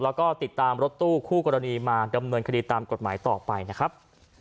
แล้วก็ติดตามรถตู้คู่กรณีมาดำเนินคดีตามกฎหมายต่อไปนะครับ